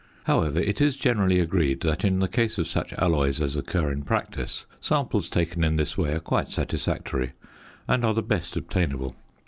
However, it is generally agreed that in the case of such alloys as occur in practice, samples taken in this way are quite satisfactory and are the best obtainable.